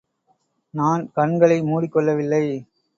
நான் கண்களை மூடிக்கொள்ளவில்லை.